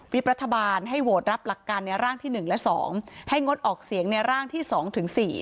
รัฐบาลให้โหวตรับหลักการในร่างที่๑และ๒ให้งดออกเสียงในร่างที่๒ถึง๔